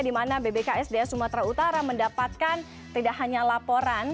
dimana bbks daya sumatera utara mendapatkan tidak hanya laporan